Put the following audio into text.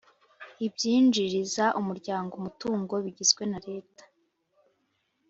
Ibyinjiriza Umuryango umutungo bigizwe na leta